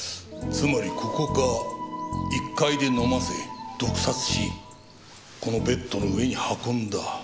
つまりここか１階で飲ませ毒殺しこのベッドの上に運んだ。